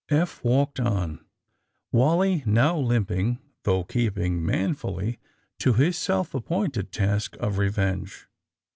Eph walked on, Wally now limping though keeping manfully to his self appointed task of revenge.